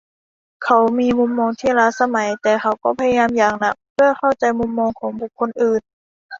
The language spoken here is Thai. เขามีมุมมองที่ล้าสมัยแต่เขาก็พยายามอย่างหนักเพื่อเข้าใจมุมมองของบุคคลอื่น